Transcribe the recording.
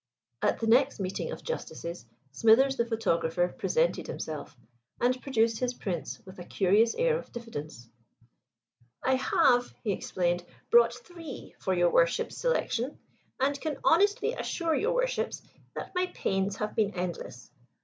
At the next meeting of Justices Smithers the photographer presented himself, and produced his prints with a curious air of diffidence. "I have," he explained, "brought three for your Worships' selection, and can honestly assure your Worships that my pains have been endless.